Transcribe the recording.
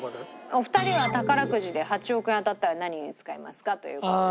お二人は宝くじで８億円当たったら何に使いますか？という事で。